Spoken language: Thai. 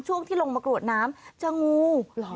ช่วงที่ลงมากรวดน้ำจะงูเหรอ